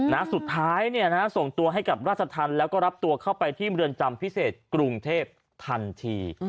นะสุดท้ายเนี่ยนะส่งตัวให้กับราชธรรมแล้วก็รับตัวเข้าไปที่เมืองจำพิเศษกรุงเทพทันที